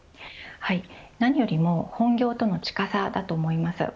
何よりも本業との近さだと思います。